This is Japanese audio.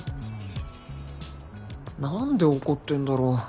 何で怒ってんだろう